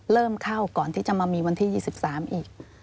เริ่มเข้าก่อนที่จะมามีวันที่๒๓อีก